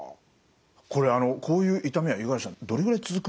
これあのこういう痛みは五十嵐さんどれぐらい続くんですか？